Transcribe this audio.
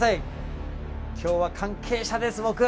今日は関係者です僕！